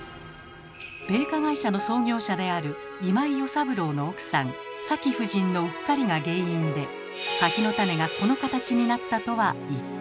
米菓会社の創業者である今井與三郎の奥さんさき夫人のうっかりが原因で柿の種がこの形になったとは一体？